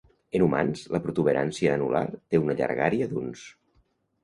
En humans, la protuberància anular té una llargària d'uns.